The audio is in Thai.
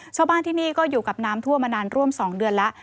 ชาวบ้านที่นี่ก็อยู่กับน้ำท่วมมานานร่วม๒เดือนแล้ว